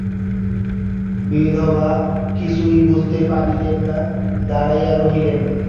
বিধবা কিছুই বুঝিতে পারিলেন না, দাঁড়াইয়া রহিলেন।